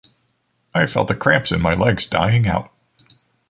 I felt the cramps in my legs dying out.